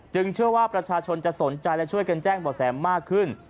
เชื่อว่าประชาชนจะสนใจและช่วยกันแจ้งบ่อแสมากขึ้น